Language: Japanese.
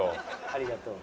「ありがとう」。